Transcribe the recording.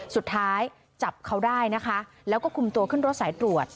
สุดท้ายจับเขาได้นะคะแล้วก็คุมตัวขึ้นรถสายตรวจ